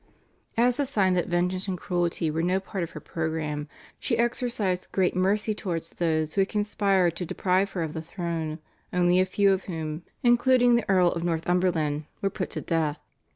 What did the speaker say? As a sign that vengeance and cruelty were no part of her programme she exercised great mercy towards those who had conspired to deprive her of the throne, only a few of whom, including the Earl of Northumberland, were put to death.